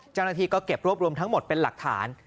เจ้าหน้าที่ก็เก็บรวบรวมทั้งหมดเป็นหลักฐาน